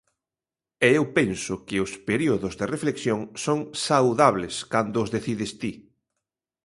E eu penso que os períodos de reflexión son saudables, cando os decides ti.